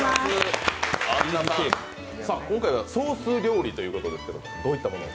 今回はソース料理ということですけどどういったもの？